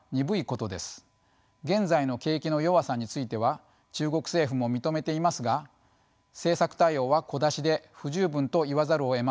現在の景気の弱さについては中国政府も認めていますが政策対応は小出しで不十分と言わざるをえません。